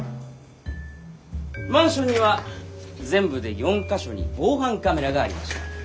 マンションには全部で４か所に防犯カメラがありました。